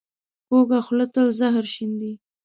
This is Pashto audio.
کوږه خوله تل زهر شیندي